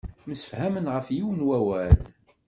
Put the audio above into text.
Msefhamen ɣef yiwen wawal.